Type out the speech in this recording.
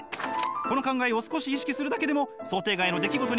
この考えを少し意識するだけでも想定外の出来事に対応しやすくなりますよ！